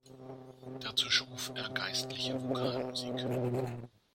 Dazu schuf er geistliche Vokalmusik.